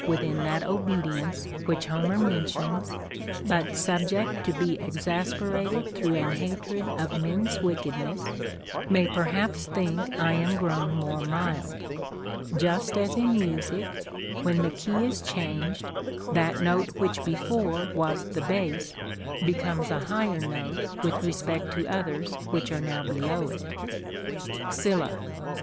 35 within that obedience which Homer mentions, but subject to be exasperated through an hatred of men's wickedness, may perhaps think I am grown more mikl ; just as in music, when the key is changed, that note which before was the base becomes a higher note Avith respect to oth ers which are now below it. Sylla.